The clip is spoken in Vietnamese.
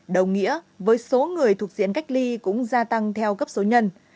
đồng nghĩa với số người thuộc diện cách ly cũng gia tăng theo cấp số nhân